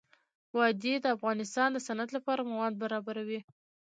وادي د افغانستان د صنعت لپاره مواد برابروي.